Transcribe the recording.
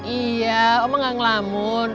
iya mama tidak melamun